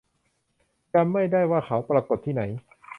จำไม่ได้ว่าเขาปรากฏที่ไหน